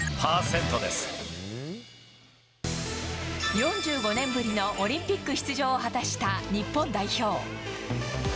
４５年ぶりのオリンピック出場を果たした日本代表。